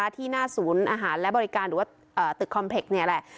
ที่หน้าศูนย์อาหารและบริการหรือว่าตึกคอมเพล็กนี่แหละ